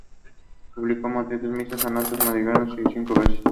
Publicó motetes, misas, sonatas y madrigales de una a cinco voces.